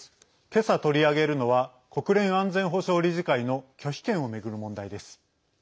けさ取り上げるのは国連安全保障理事会の拒否権を巡る問題です。